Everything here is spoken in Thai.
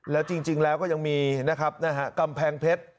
แล้วจริงแล้วก็ยังมีนะครับกำแพงเพชร